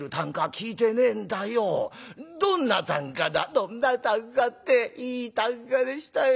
「どんな啖呵っていい啖呵でしたよ。